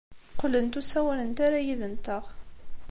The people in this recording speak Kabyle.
Qqlent ur ssawalent ara yid-nteɣ.